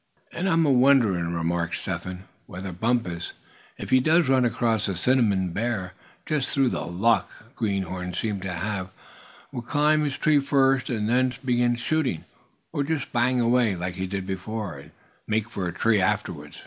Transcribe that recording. "And I'm wonderin'," remarked Step Hen, "whether Bumpus, if he does run across a cinnamon bear, just through the luck greenhorns seem to have, would climb his tree first, and then begin shooting; or just bang away, like he did before, and make for a tree afterwards."